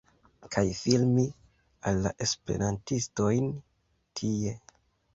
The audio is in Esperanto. kaj filmi al la esperantistojn tie